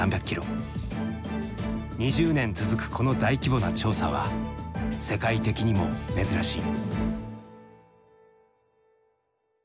２０年続くこの大規模な調査は世界的にも珍しい。